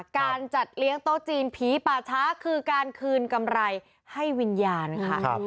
การจัดเลี้ยงโต๊ะจีนผีป่าช้าคือการคืนกำไรให้วิญญาณค่ะ